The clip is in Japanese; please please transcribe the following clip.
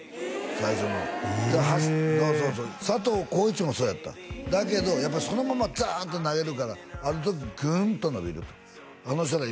最初のへえそうそうそう佐藤浩市もそうやっただけどやっぱりそのままザーンと投げるからある時グンと伸びるとあの人ら